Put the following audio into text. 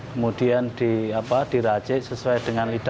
kemudian diracek sesuai dengan istilahnya